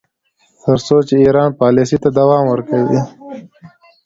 تر څو چې ایران پالیسۍ ته دوام ورکوي.